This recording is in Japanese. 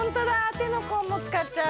手の甲もつかっちゃう。